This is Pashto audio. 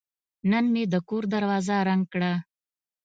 نن مې د کور دروازه رنګ کړه.